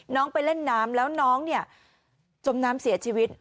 ๒น้องไปเล่นน้ำแล้วน้องจมน้ำเสียชีวิต